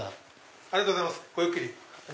ありがとうございますごゆっくり。